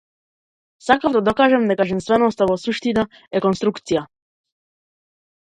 Сакав да докажам дека женственоста во суштина е конструкција.